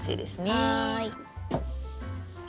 はい。